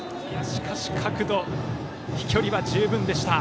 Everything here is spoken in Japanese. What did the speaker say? しかし、角度、飛距離は十分でした。